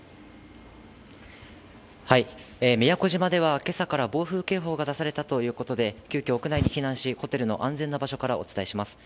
宮古島では、けさから暴風警報が出されたということで、急きょ屋内に避難し、ホテルの安全な場所からお伝えします。